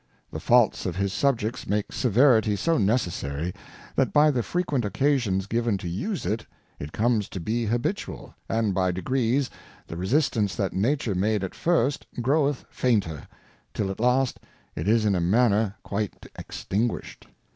The Faults of his Subjects make Severity so necessary, that by the frequent Occasions given to use it, it comes to be habitual, and by degrees the Resistance that Nature made at first groweth fainter, till at last it is in a manner quite extinguished.